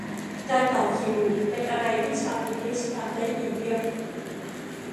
การต่อคิวเป็นอะไรที่ชาวบริติชทำได้ดีเยี่ยม